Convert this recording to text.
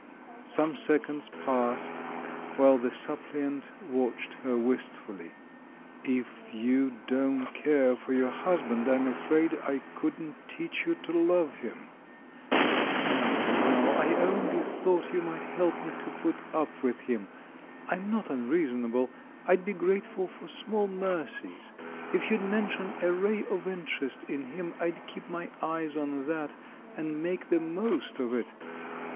Some seconds passed, while the supphant watched her wistfully. "If you don't care for your husband, I'm afraid I couldn't teach you to love him." "No, no; I only thought you might help me to put up with him; I'm not unreasonable — I'd be grateful for small mercies. If you'd mention a ray of interest in him, I'd keep my eyes on that, and make the most of it.